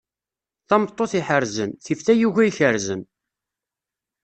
Tameṭṭut iḥerrzen, tif tayuga ikerrzen.